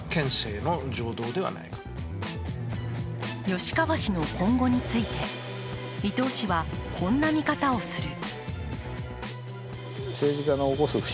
吉川氏の今後について伊藤氏はこんな見方をする。